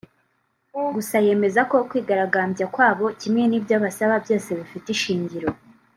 gusa yemeza ko kwigaragambya kwabo kimwe n’ibyo basaba byose bifite ishingiro